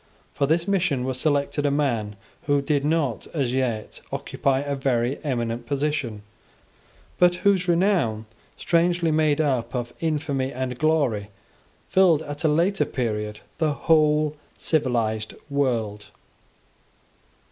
For this mission was selected a man who did not as yet occupy a very eminent position, but whose renown, strangely made up of infamy and glory, filled at a later period the whole civilized world.